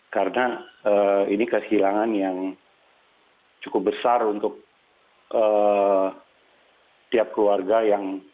karena ini kehilangan yang cukup besar untuk tiap keluarga yang